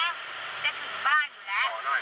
ไม่เอา